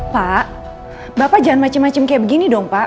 pak bapak jangan macem macem kayak begini dong pak